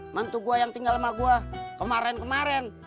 mantu gue yang tinggal sama gue kemarin kemarin